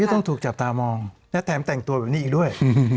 ต้องถูกจับตามองและแถมแต่งตัวแบบนี้อีกด้วย